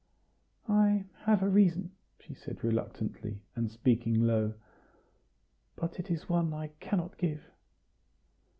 "I have a reason," she said reluctantly, and speaking low; "but it is one I cannot give."